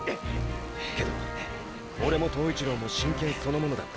けどオレも塔一郎も真剣そのものだった。